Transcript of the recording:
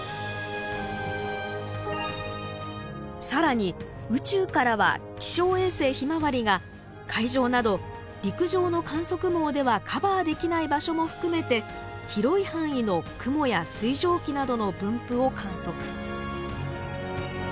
更に宇宙からは気象衛星「ひまわり」が海上など陸上の観測網ではカバーできない場所も含めて広い範囲の雲や水蒸気などの分布を観測。